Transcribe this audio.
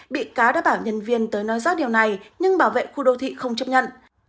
bị cá đã bảo nhân viên tới nói rác điều này nhưng bảo vệ khu đô thị không chấp nhận